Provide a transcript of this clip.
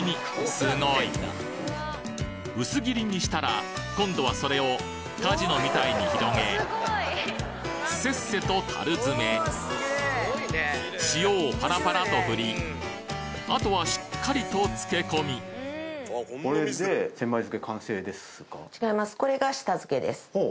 すごい薄切りにしたら今度はそれをカジノみたいに広げせっせと樽詰め塩をパラパラと振り後はしっかりと漬け込み違います。